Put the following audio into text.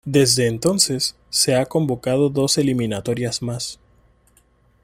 Desde entonces, se ha convocado dos eliminatorias más.